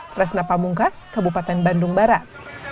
fresna pamungkas kabupaten bandung barat